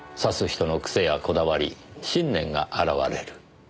人の癖やこだわり信念が表れる。